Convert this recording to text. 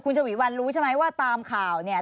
ฉวีวันรู้ใช่ไหมว่าตามข่าวเนี่ย